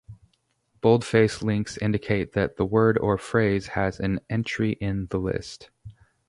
Boldface links indicate that the word or phrase has an entry in the list.